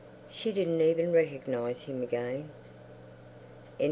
She didn't even recognize him again.